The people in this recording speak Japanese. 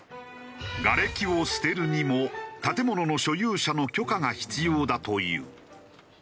瓦礫を捨てるにも建物の所有者の許可が必要だという。